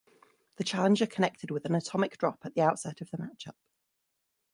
The challenger connected with an atomic drop at the outset of the matchup.